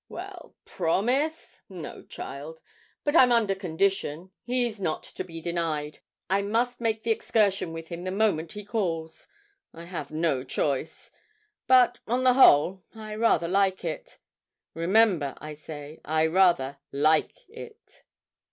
'Well promise? no, child; but I'm under condition; he's not to be denied. I must make the excursion with him the moment he calls. I have no choice; but, on the whole, I rather like it remember, I say, I rather like it.'